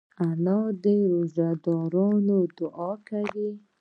انا د روژهدار دعا کوي